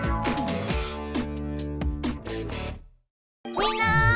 みんな！